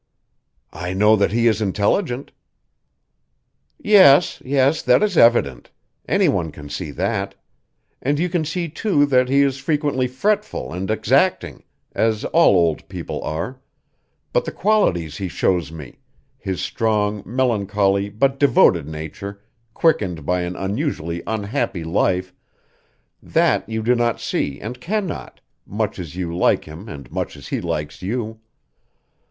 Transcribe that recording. "I know that he is intelligent." "Yes, yes, that is evident. Any one can see that. And you can see, too, that he is frequently fretful and exacting, as all old people are. But the qualities he shows me his strong, melancholy, but devoted nature, quickened by an unusually unhappy life that you do not see and cannot, much as you like him and much as he likes you.